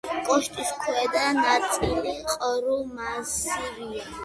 კოშკის ქვედა ნაწილი ყრუ მასივია.